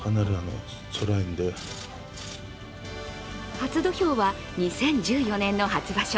初土俵は２０１４年の初場所。